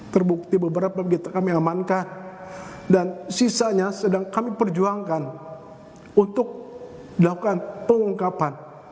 terbukti beberapa kami amankan dan sisanya sedang kami perjuangkan untuk dilakukan pengungkapan